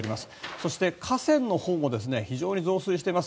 そして河川のほうも非常に増水しています。